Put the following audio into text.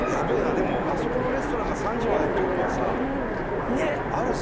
でもあそこのレストランが３時までっていう事はさあるぞ。